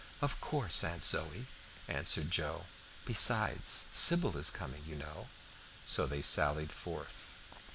"Of course, Aunt Zoë," answered Joe. "Besides, Sybil is coming, you know." So they sallied forth.